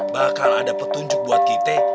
bakal ada petunjuk buat kita